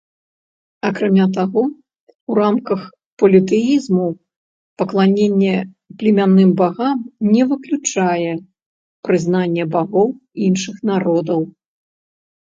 Акрамя таго, у рамках політэізму пакланенне племянным багам не выключае прызнання багоў іншых народаў.